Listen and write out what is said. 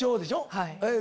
はい。